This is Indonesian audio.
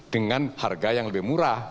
dengan harga yang lebih murah